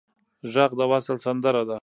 غږ د وصل سندره ده